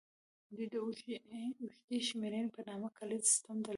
دوی د اوږدې شمېرنې په نامه کالیز سیستم درلود